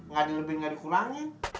nggak dilebih nggak dikurangi